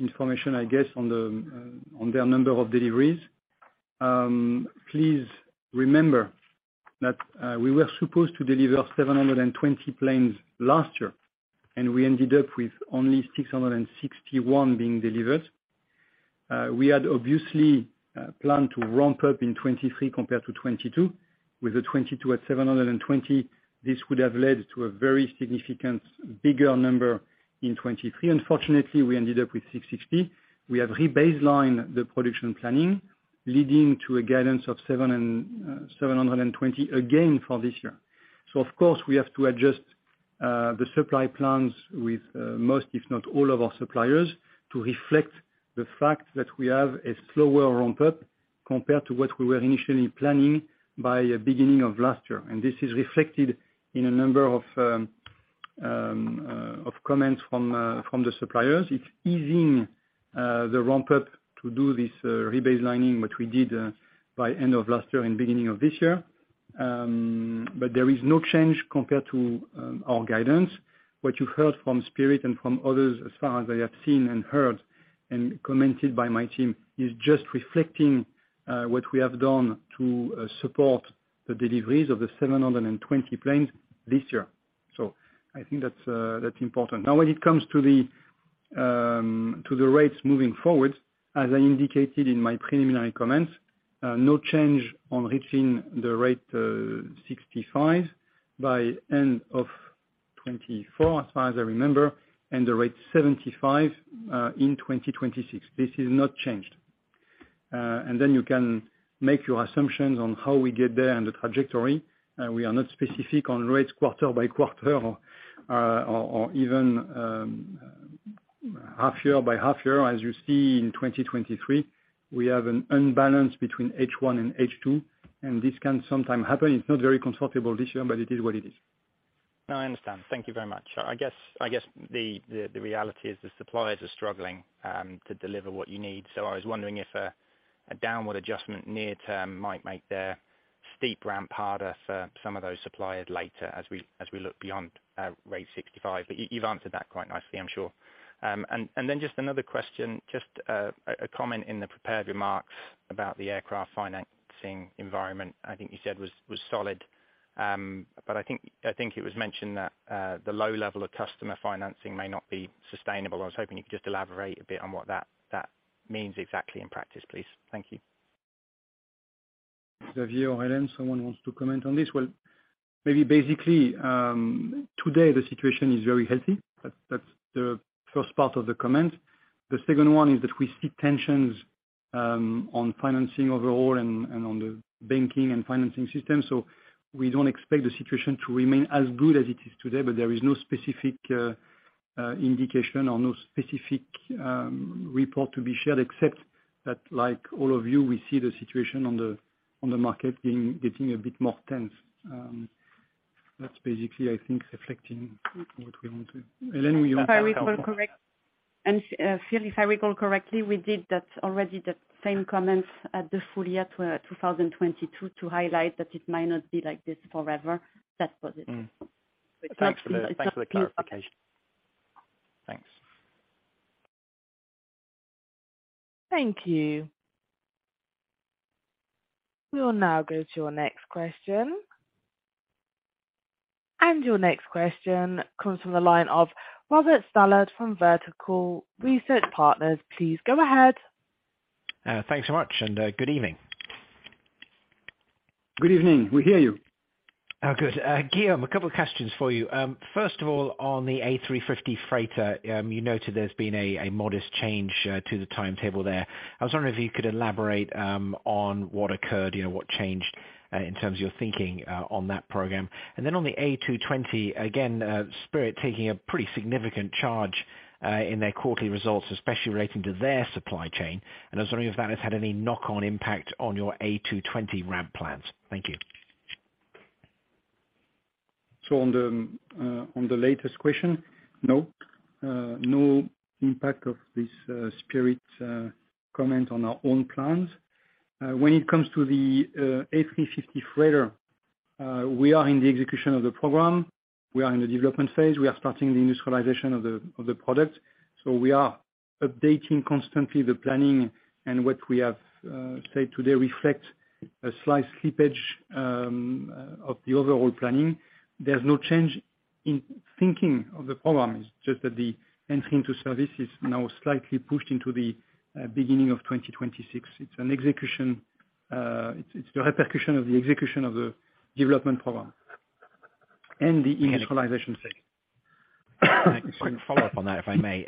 information, I guess, on their number of deliveries. Please remember that we were supposed to deliver 720 planes last year, we ended up with only 661 being delivered. We had obviously planned to ramp up in 2023 compared to 2022. With the 2022 at 720, this would have led to a very significant bigger number in 2023. Unfortunately, we ended up with 660. We have rebaselined the production planning, leading to a guidance of 720 again for this year. Of course, we have to adjust the supply plans with most, if not all of our suppliers, to reflect the fact that we have a slower ramp-up compared to what we were initially planning by beginning of last year. This is reflected in a number of comments from the suppliers. It's easing the ramp-up to do this rebaselining, which we did by end of last year and beginning of this year. There is no change compared to our guidance. What you heard from Spirit and from others, as far as I have seen and heard and commented by my team, is just reflecting what we have done to support the deliveries of the 720 planes this year. I think that's important. When it comes to the rates moving forward, as I indicated in my preliminary comments, no change on reaching the rate 65 by end of 2024, as far as I remember, and the rate 75 in 2026. This is not changed. You can make your assumptions on how we get there and the trajectory. We are not specific on rates quarter by quarter or even half year by half year, as you see in 2023. We have an unbalance between H one and H two, this can sometime happen. It's not very comfortable this year, it is what it is. No, I understand. Thank you very much. I guess the reality is the suppliers are struggling to deliver what you need. I was wondering if a downward adjustment near term might make their steep ramp harder for some of those suppliers later as we look beyond rate 65, but you've answered that quite nicely, I'm sure. Then just another question, just a comment in the prepared remarks about the aircraft financing environment I think you said was solid. But I think it was mentioned that the low level of customer financing may not be sustainable. I was hoping you could just elaborate a bit on what that means exactly in practice, please. Thank you. Xavier or Hélène, someone wants to comment on this? Maybe basically, today the situation is very healthy. That's the first part of the comment. The second one is that we see tensions on financing overall and on the banking and financing system. We don't expect the situation to remain as good as it is today, but there is no specific indication or no specific report to be shared, except that, like all of you, we see the situation on the market being getting a bit more tense. That's basically, I think, reflecting what we want to. Hélène, do you want to add something? If I recall correct, and Phil, if I recall correctly, we did that already the same comments at the full year 2022 to highlight that it might not be like this forever. That was it. Thanks for the clarification. Thanks. Thank you. We will now go to your next question. Your next question comes from the line of Robert Stallard from Vertical Research Partners. Please go ahead. thanks so much, and, good evening. Good evening. We hear you. Good. Guillaume, a couple questions for you. First of all, on the A350 freighter, you noted there's been a modest change to the timetable there. I was wondering if you could elaborate on what occurred, you know, what changed in terms of your thinking on that program. Then on the A220, again, Spirit taking a pretty significant charge in their quarterly results, especially relating to their supply chain, and I was wondering if that has had any knock-on impact on your A220 ramp plans. Thank you. On the latest question, no. No impact of this Spirit comment on our own plans. When it comes to the A350 freighter, we are in the execution of the program. We are in the development phase. We are starting the industrialization of the product. We are updating constantly the planning and what we have said today reflect a slight slippage of the overall planning. There's no change in thinking of the program. It's just that the entering into service is now slightly pushed into the beginning of 2026. It's an execution. It's the repercussion of the execution of the development program and the industrialization phase. Quick follow-up on that, if I may.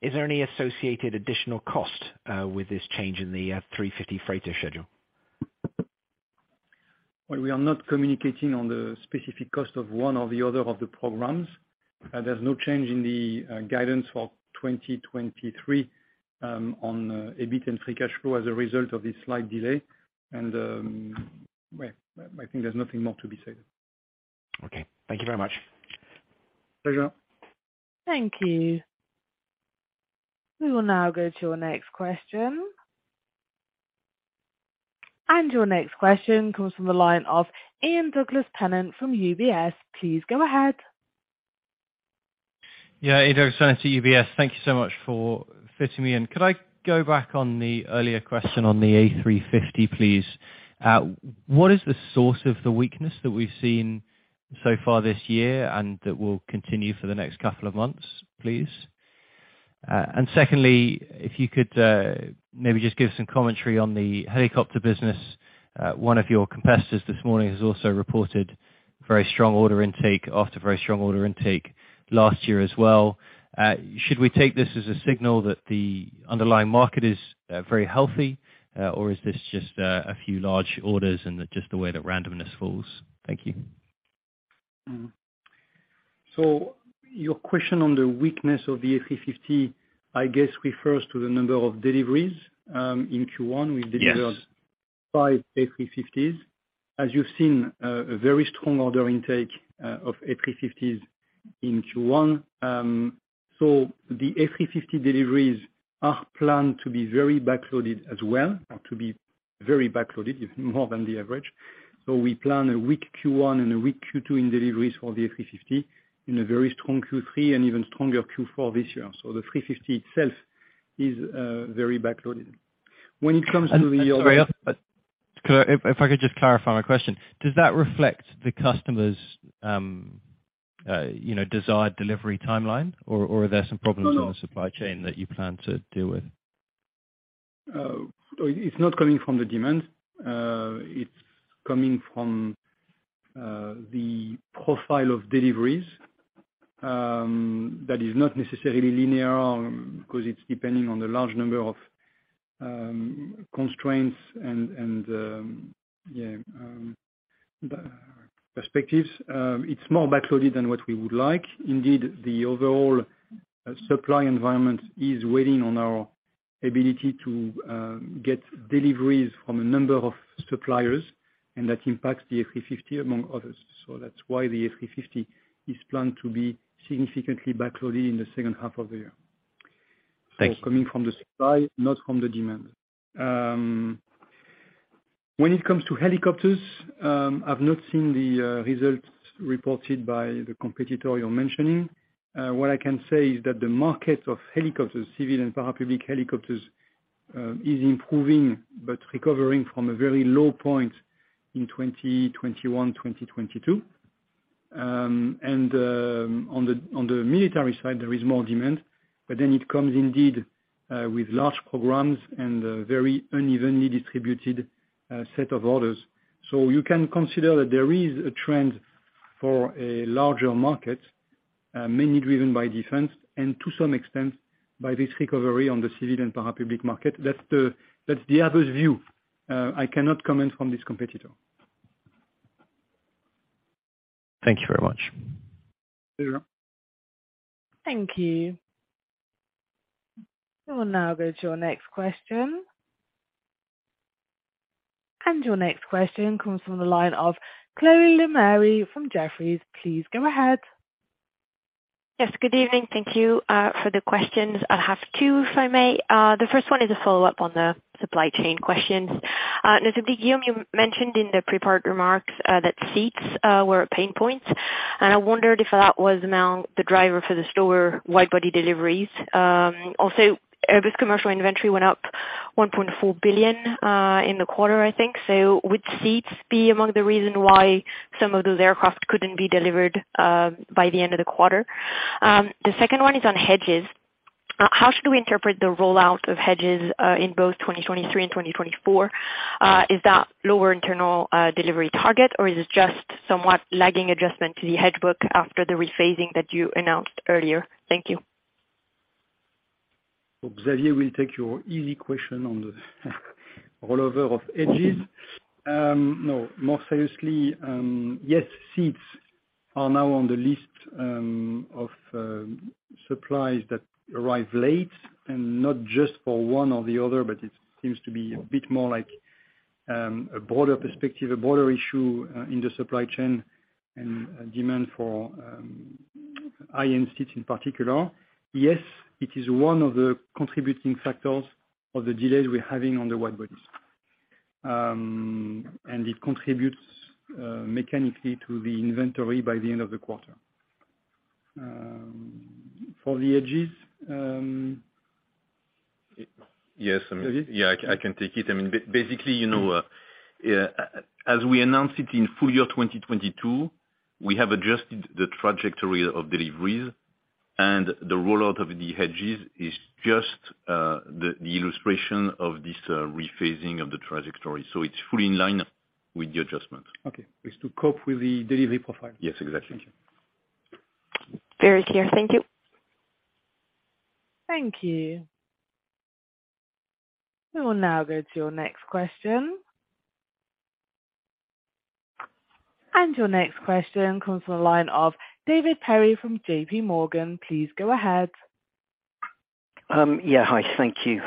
Is there any associated additional cost with this change in the A350F freighter schedule? Well, we are not communicating on the specific cost of one or the other of the programs. There's no change in the guidance for 2023 on EBIT and free cash flow as a result of this slight delay and, well, I think there's nothing more to be said. Okay. Thank you very much. Pleasure. Thank you. We will now go to your next question. Your next question comes from the line of Ian Douglas-Pennant from UBS. Please go ahead. Ian Douglas from UBS. Thank you so much for fitting me in. Could I go back on the earlier question on the A350, please? What is the source of the weakness that we've seen so far this year and that will continue for the next couple of months, please? Secondly, if you could, maybe just give some commentary on the helicopter business. One of your competitors this morning has also reported very strong order intake, after very strong order intake last year as well. Should we take this as a signal that the underlying market is very healthy, or is this just a few large orders and just the way that randomness falls? Thank you. Your question on the weakness of the A350, I guess, refers to the number of deliveries in Q1. Yes. We delivered five A350s. You've seen a very strong order intake of A350s in Q1. The A350 deliveries are planned to be very backloaded as well, or to be very backloaded, more than the average. We plan a weak Q1 and a weak Q2 in deliveries for the A350 and a very strong Q3 and even stronger Q4 this year. The A350 itself is very backloaded. When it comes to the other- I'm sorry. If I could just clarify my question. Does that reflect the customers', you know, desired delivery timeline or are there some problems? No, no. in the supply chain that you plan to deal with? It's not coming from the demand. It's coming from the profile of deliveries, that is not necessarily linear or because it's depending on the large number of constraints and, yeah, perspectives. It's more backloaded than what we would like. Indeed, the overall supply environment is weighing on our ability to get deliveries from a number of suppliers, and that impacts the A350, among others. That's why the A350 is planned to be significantly backloaded in the second half of the year. Thank you. Coming from the supply, not from the demand. When it comes to helicopters, I've not seen the results reported by the competitor you're mentioning. What I can say is that the market of helicopters, civil and parapublic helicopters, is improving but recovering from a very low point in 2021, 2022. On the military side, there is more demand, but then it comes indeed with large programs and a very unevenly distributed set of orders. You can consider that there is a trend for a larger market, mainly driven by defense and to some extent by this recovery on the civil and parapublic market. That's the, that's the other view. I cannot comment from this competitor. Thank you very much. Sure. Thank you. We will now go to your next question. Your next question comes from the line of Chloé Lemarié from Jefferies. Please go ahead. Yes. Good evening. Thank you for the questions. I have two, if I may. The first one is a follow-up on the supply chain questions. Guillaume, you mentioned in the prepared remarks that seats were a pain point, and I wondered if that was now the driver for the slower wide-body deliveries. Also Airbus commercial inventory went up 1.4 billion in the quarter, I think. Would seats be among the reason why some of those aircraft couldn't be delivered by the end of the quarter? The second one is on hedges. How should we interpret the rollout of hedges in both 2023 and 2024? Is that lower internal delivery target, or is it just somewhat lagging adjustment to the hedge book after the rephasing that you announced earlier? Thank you. Xavier will take your easy question on the rollover of hedges. More seriously, yes, seats are now on the list of supplies that arrive late, and not just for one or the other, but it seems to be a bit more like a broader perspective, a broader issue in the supply chain and demand for high-end seats in particular. Yes, it is one of the contributing factors of the delays we're having on the wide-bodies. It contributes mechanically to the inventory by the end of the quarter. For the hedges. Yes, I mean. Xavier? Yeah, I can take it. I mean, basically, you know, yeah, as we announced it in full-year 2022, we have adjusted the trajectory of deliveries, and the rollout of the hedges is just the illustration of this rephasing of the trajectory. It's fully in line with the adjustment. Okay. It's to cope with the delivery profile. Yes, exactly. Thank you. Very clear. Thank you. Thank you. We will now go to your next question. Your next question comes from the line of David Perry from J.P. Morgan. Please go ahead. Yeah. Hi, thank you.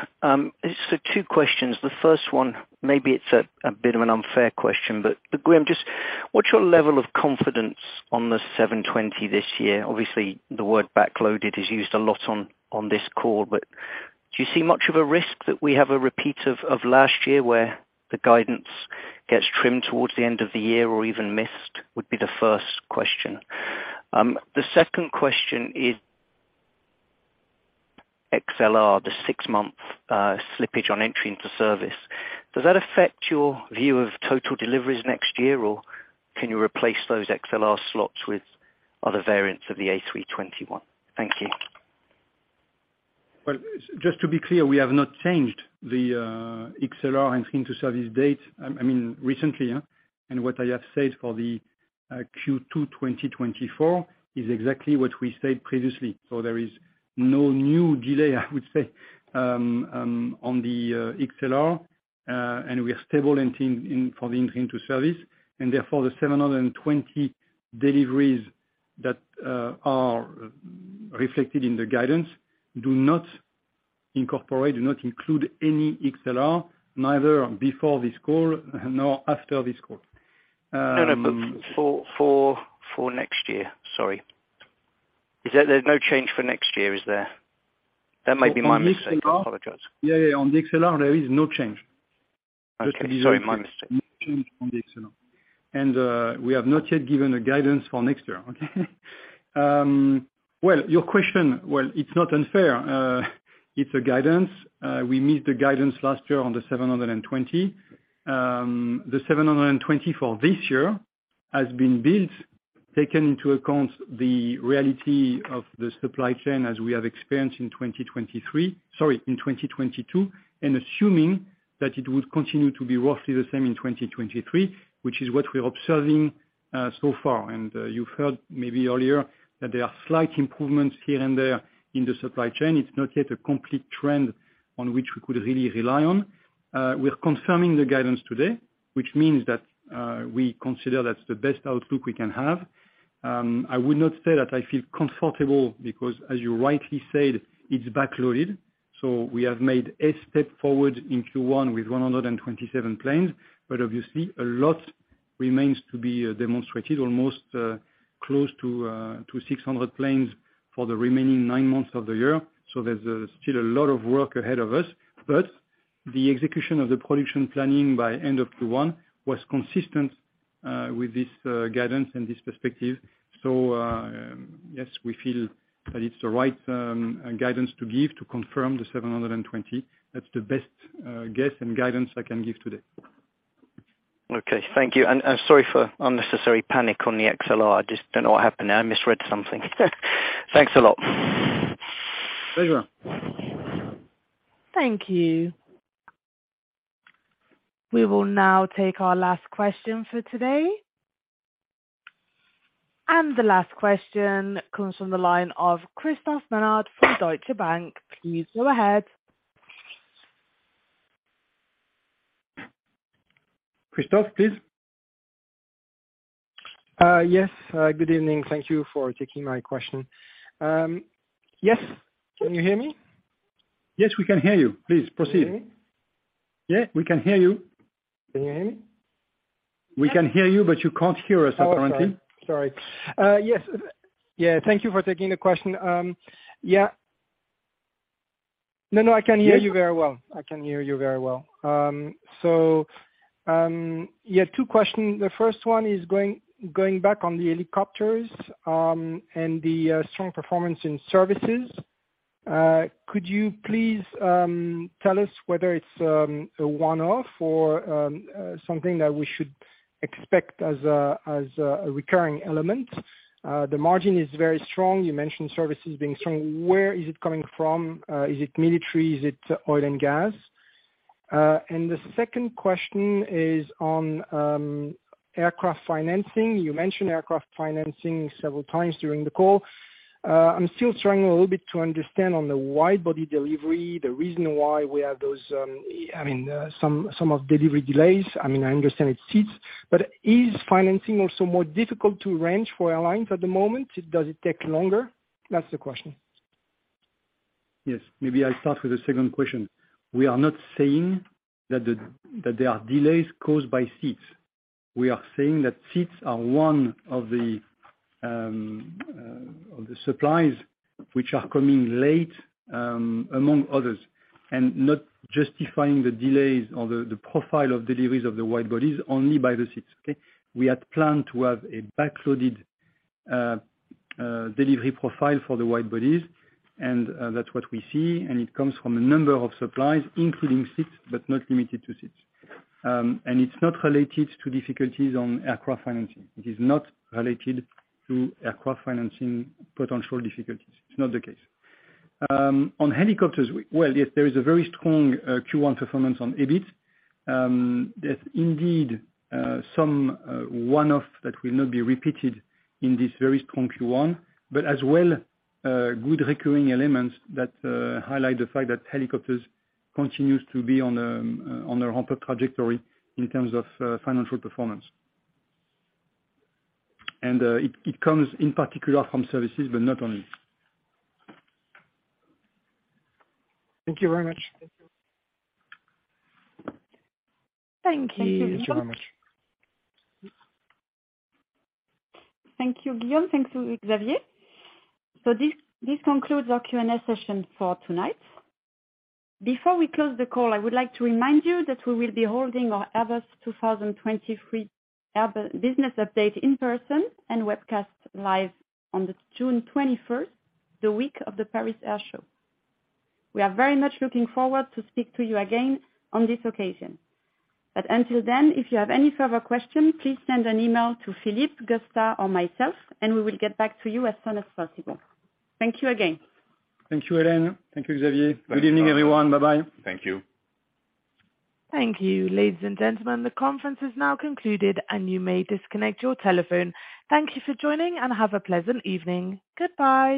It's two questions. The first one, maybe it's a bit of an unfair question, but Guillaume, just what's your level of confidence on the 720 this year? Obviously, the word backloaded is used a lot on this call, but do you see much of a risk that we have a repeat of last year where the guidance gets trimmed towards the end of the year or even missed? Would be the first question. The second question is XLR, the six-month slippage on entry into service. Does that affect your view of total deliveries next year, or can you replace those XLR slots with other variants of the A321? Thank you. Well, just to be clear, we have not changed the XLR and in-service date. I mean, recently, yeah. What I have said for the Q2 2024 is exactly what we said previously. There is no new delay, I would say, on the XLR, and we are stable in for the in-service, therefore the 720 deliveries that are reflected in the guidance do not incorporate, do not include any XLR, neither before this call nor after this call. No, no, for next year, sorry. Is that there's no change for next year, is there? That might be my mistake. I apologize. Yeah, yeah. On the XLR there is no change. Okay. Sorry, my mistake. No change on the XLR. We have not yet given a guidance for next year, okay. Well, your question, well, it's not unfair. It's a guidance. We missed the guidance last year on the 720. The 720 for this year has been built, taken into account the reality of the supply chain as we have experienced in 2023... Sorry, in 2022, and assuming that it would continue to be roughly the same in 2023, which is what we're observing so far. You've heard maybe earlier that there are slight improvements here and there in the supply chain. It's not yet a complete trend on which we could really rely on. We're confirming the guidance today, which means that we consider that's the best outlook we can have. I would not say that I feel comfortable because, as you rightly said, it's backloaded, we have made a step forward in Q1 with 127 planes. Obviously a lot remains to be demonstrated almost close to 600 planes for the remaining nine months of the year. There's still a lot of work ahead of us. The execution of the production planning by end of Q1 was consistent with this guidance and this perspective. Yes, we feel that it's the right guidance to give to confirm the 720. That's the best guess and guidance I can give today. Okay. Thank you. Sorry for unnecessary panic on the XLR. I just don't know what happened there. I misread something. Thanks a lot. Pleasure. Thank you. We will now take our last question for today. The last question comes from the line of Christophe Menard from Deutsche Bank. Please go ahead. Christophe, please. Yes. Good evening. Thank you for taking my question. Yes. Can you hear me? Yes, we can hear you. Please proceed. Can you hear me? Yeah, we can hear you. Can you hear me? We can hear you, but you can't hear us apparently. Sorry. Sorry. Yes. Yeah, thank you for taking the question. Yeah. No, I can hear you very well. I can hear you very well. So, yeah, two questions. The first one is going back on the helicopters, and the strong performance in services. Could you please tell us whether it's a one-off or something that we should expect as a recurring element? The margin is very strong. You mentioned services being strong. Where is it coming from? Is it military? Is it oil and gas? The second question is on aircraft financing. You mentioned aircraft financing several times during the call. I'm still trying a little bit to understand on the wide-body delivery, the reason why we have those, I mean, some of delivery delays. I mean, I understand it's seats, but is financing also more difficult to arrange for airlines at the moment? Does it take longer? That's the question. Yes. Maybe I start with the second question. We are not saying that there are delays caused by seats. We are saying that seats are one of the supplies which are coming late among others, and not justifying the delays or the profile of deliveries of the wide-bodies only by the seats, okay? We had planned to have a backloaded delivery profile for the wide-bodies and that's what we see, and it comes from a number of supplies, including seats, but not limited to seats. It's not related to difficulties on aircraft financing. It is not related to aircraft financing potential difficulties. It's not the case. On helicopters, well, yes, there is a very strong Q1 performance on EBIT. There's indeed some one-off that will not be repeated in this very strong Q1, but as well good recurring elements that highlight the fact that helicopters continues to be on a trajectory in terms of financial performance. It comes in particular from services, but not only. Thank you very much. Thank you. Thank you very much. Thank you, Guillaume. Thank you, Xavier. This concludes our Q&A session for tonight. Before we close the call, I would like to remind you that we will be holding our Airbus 2023 Airbus business update in person and webcast live on June 21st, the week of the Paris Air Show. We are very much looking forward to speak to you again on this occasion. Until then, if you have any further questions, please send an email to Philippe, Gustave, or myself, and we will get back to you as soon as possible. Thank you again. Thank you, Hélène. Thank you, Xavier. Good evening, everyone. Bye-bye. Thank you. Thank you. Ladies and gentlemen, the conference is now concluded, you may disconnect your telephone. Thank you for joining, have a pleasant evening. Goodbye.